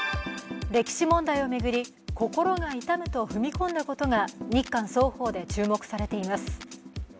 歴史問題を巡り、心が痛むと踏み込んだことが日韓双方で注目されています。